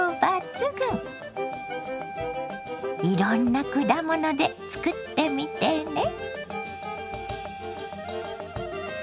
いろんな果物で作ってみてね。